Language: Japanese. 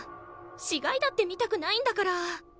死がいだって見たくないんだから。